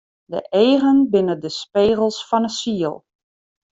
De eagen binne de spegels fan 'e siel.